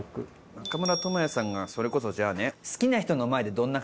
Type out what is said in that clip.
中村倫也さんがそれこそじゃあね。